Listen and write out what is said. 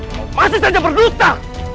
kau masih saja berduta